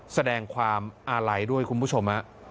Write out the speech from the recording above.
แปลวงความอาไลด้วยคุณผู้ชม